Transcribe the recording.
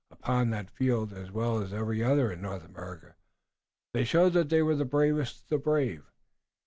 Upon that field, as well as every other in North America, they showed that they were the bravest of the brave.